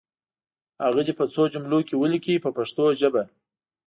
هغه دې په څو جملو کې ولیکي په پښتو ژبه.